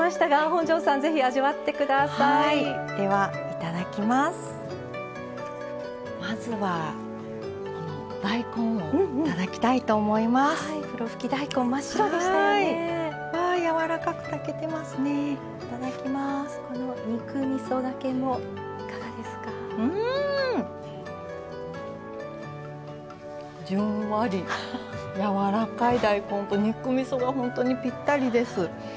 じんわりやわらかい大根と肉みそが本当にぴったりです。